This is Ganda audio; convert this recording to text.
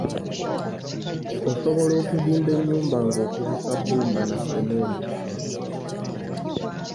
Osobola okuzimba ennyumba nga okozesa bbumba na sementi.